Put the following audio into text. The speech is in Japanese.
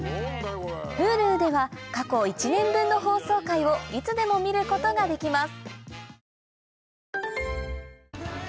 Ｈｕｌｕでは過去１年分の放送回をいつでも見ることができます